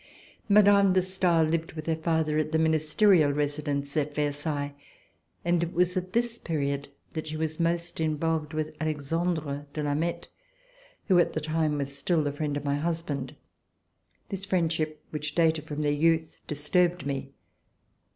Mme. de Stael lived with her father at the ministerial residence at Versailles, and it was at this period that she was the most Involved with Alexandre de Lameth, who at the time was still the friend of my husband. This friendship, which dated from their youth, disturbed me.